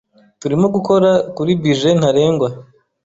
Turimo gukora kuri bije ntarengwa.